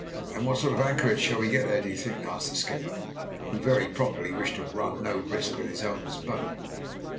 "And what sort of anchorage shall we get there, do you think?" asked the skipper, who very properly wished to run no risk with his owner's boat.